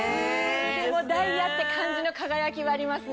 ダイヤって感じの輝きがありますね。